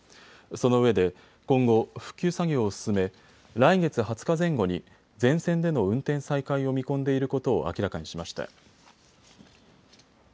そのうえで今後、復旧作業を進め来月２０日前後に全線での運転再開を見込んでいることを明らかにしました。